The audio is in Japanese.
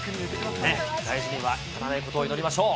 大事には至らないことを祈りましょう。